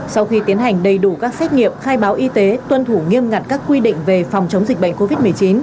sau khi tiến hành đầy đủ các xét nghiệm khai báo y tế tuân thủ nghiêm ngặt các quy định về phòng chống dịch bệnh covid một mươi chín